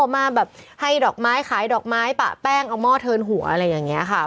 มาแบบให้ดอกไม้ขายดอกไม้ปะแป้งเอาหม้อเทินหัวอะไรอย่างนี้ค่ะ